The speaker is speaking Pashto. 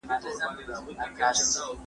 د ټکنالوژۍ په عصر کې پښتو مه هېروئ.